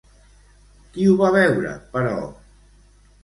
Qui ho va veure, però?